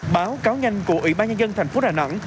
báo cáo nhanh của ủy ban nhân dân thành phố đà nẵng